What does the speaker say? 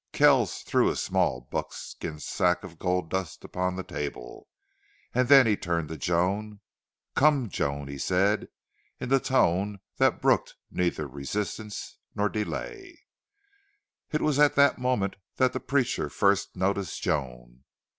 Kells threw a small buckskin sack of gold dust upon the table, and then he turned to Joan. "Come, Joan," he said, in the tone that brooked neither resistance nor delay. It was at that moment that the preacher first noticed Joan.